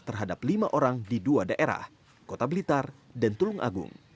terhadap lima orang di dua daerah kota blitar dan tulung agung